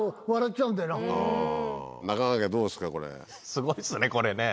すごいですねこれね。